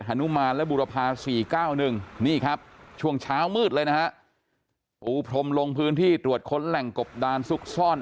นุมานและบุรพา๔๙๑นี่ครับช่วงเช้ามืดเลยนะฮะปูพรมลงพื้นที่ตรวจค้นแหล่งกบดานซุกซ่อน